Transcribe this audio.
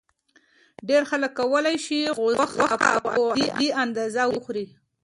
ډېر خلک کولی شي غوښه په عادي اندازه وخوري.